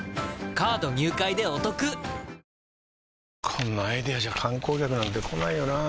こんなアイデアじゃ観光客なんて来ないよなあ